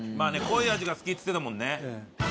濃い味が好きって言ってたもんね。